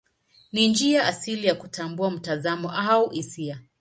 Ni njia asili ya kutambua mtazamo au hisia.